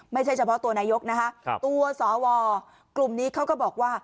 ไม่ใช่เฉพาะตัวนายกนะคะตัวสวกลุ่มนี้เขาก็บอกว่า